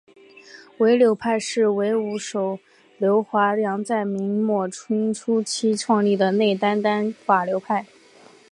伍柳派是伍守阳和柳华阳在明末清初创立的内丹丹法流派。